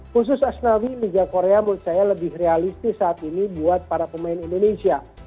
khusus asnawi liga korea menurut saya lebih realistis saat ini buat para pemain indonesia